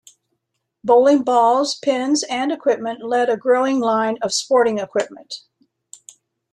Bowling balls, pins, and equipment led a growing line of sporting equipment.